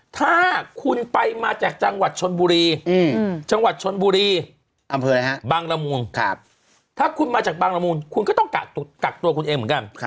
ถ้าคุณไปมาจากจังหวัดชนบุรีบางระมูลถ้าคุณมาจากบางระมูลคุณก็ต้องกักตัวคุณเองเหมือนกัน